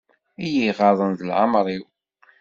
I y-iɣaḍen d leɛmer-iw.